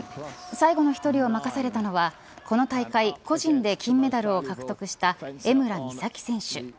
最後の１人を任されたのは、この大会個人で金メダルを獲得した江村美咲選手。